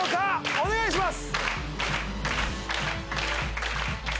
お願いします！